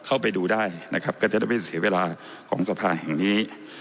เข้าไปดูได้นะครับก็จะได้ไม่เสียเวลาของสภาแห่งนี้